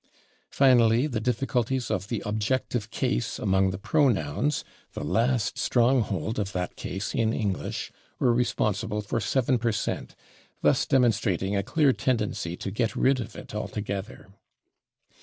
Finally, the difficulties of the objective case among the pronouns, the last stronghold of that case in English, were responsible for 7 per cent, thus demonstrating a clear tendency to get rid of it altogether.